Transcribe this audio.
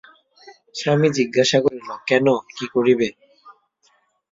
স্বামী জিজ্ঞাসা করিল, কেন, কী করিবে?